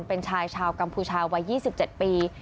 เป็นชายชาวกัมพูชาวัย๒๗ปี